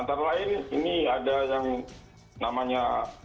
antara lain ini ada yang namanya